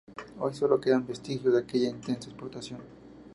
Hoy solo quedan vestigios de aquella intensa explotación.